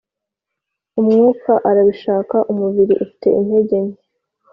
umwuka arabishaka, umubiri ufite intege nke, -